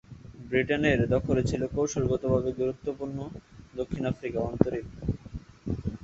ব্রিটেনের দখলে ছিল কৌশলগতভাবে গুরুত্বপূর্ণ দক্ষিণ আফ্রিকা অন্তরীপ।